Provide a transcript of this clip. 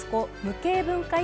無形文化